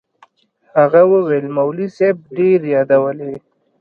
هغه وويل مولوي صاحب ډېر يادولې.